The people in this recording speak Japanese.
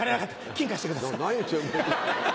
「金」貸してくださいハハハ。